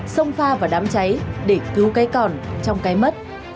xông pha vào đám cháy để cứu cây còn trong cây mất